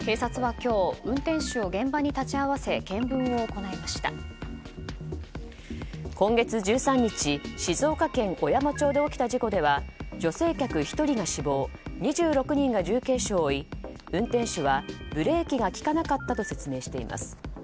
今月１３日静岡県小山町で起きた事故では女性客１人が死亡２６人が重軽傷を負い運転手はブレーキが利かなかったと説明しています。